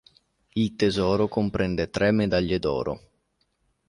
Il tesoro comprende tre medaglie d'oro.